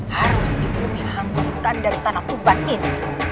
harus dibumi hanguskan dari tanah tuban ini